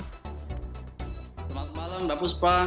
selamat malam dapuspa